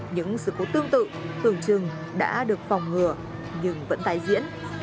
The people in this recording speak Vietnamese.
những sự cố tương tự tưởng chừng đã được phòng ngừa nhưng vẫn tái diễn